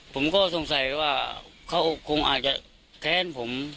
ผมก็สงสัยว่าเขาคงอาจจะแค้นผม